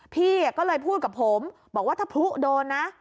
พี่ก็เลยพูดกับผมบอกว่าถ้าพลุโดนนะ